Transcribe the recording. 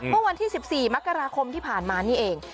เมื่อวันที่๑๔มกราคมที่ผ่านมานี่เอง